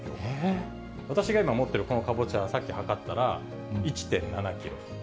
私が今持ってるこのかぼちゃ、さっき量ったら、１．７キロ。